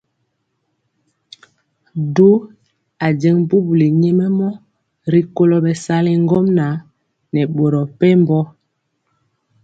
Du ajeŋg bubuli nyɛmemɔ rikolo bɛsali ŋgomnaŋ nɛ boro mepempɔ.